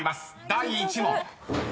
第１問］